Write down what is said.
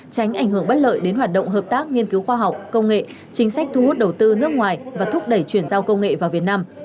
tránh ảnh hưởng bất lợi đến hoạt động hợp tác nghiên cứu khoa học công nghệ chính sách thu hút đầu tư nước ngoài và thúc đẩy chuyển giao công nghệ vào việt nam